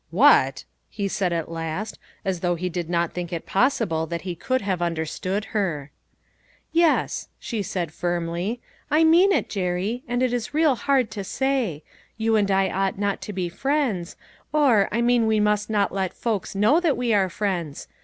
" What !" he said at last, as though he did not think it possible that he could have under stood her. 170 LITTLE FISHEBS : AND THEIR NETS. "Yes," she said firmly, "I mean it, Jerry, and it is real hard to say; you and I ought not to be friends, or, I mean we must not let folks know that we are friends.